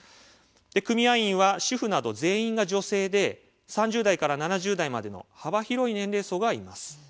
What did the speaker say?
組合員は主婦など全員が女性で３０代から７０代までの幅広い年齢層がいます。